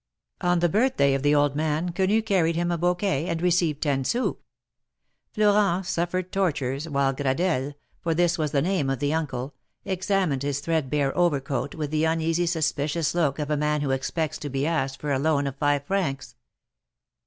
On the birth day of the old man, Quenu carried him a bouquet, and received ten sous. Florent suffered tortures, while Gradelle — for this was the name of the uncle — examined his threadbare overcoat, with the uneasy suspicious look of a man who expects to be asked for a loan of five francs.